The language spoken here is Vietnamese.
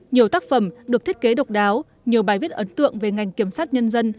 nhiều tác phẩm được thiết kế độc đáo nhiều bài viết ấn tượng về ngành kiểm sát nhân dân